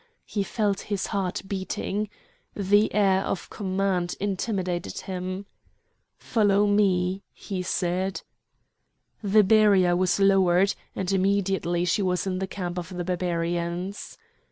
He felt his heart beating. The air of command intimidated him. "Follow me!" he said. The barrier was lowered, and immediately she was in the camp of the Barbarians.